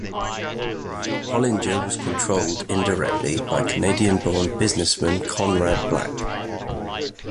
Hollinger was controlled, indirectly, by Canadian-born businessman Conrad Black.